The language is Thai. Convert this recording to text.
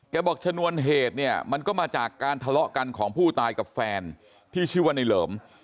บอกชนวนเหตุเนี่ยมันก็มาจากการทะเลาะกันของผู้ตายกับแฟนที่ชื่อว่าในเหลิม